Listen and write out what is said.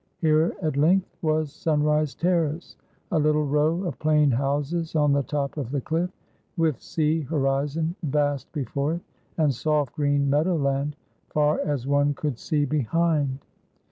Here at length was Sunrise Terrace, a little row of plain houses on the top of the cliff, with sea horizon vast before it, and soft green meadow land far as one could see behind.